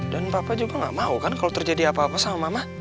dan papa juga gak mau kan kalo terjadi apa apa sama mama